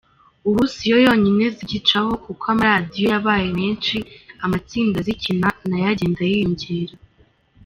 Ubu siyo yonyine zigicaho kuko amaradiyo yabaye menshi, amatsinda azikina nayo agenda yiyongera.